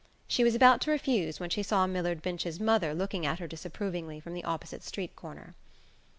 She was about to refuse when she saw Millard Binch's mother looking at her disapprovingly from the opposite street corner.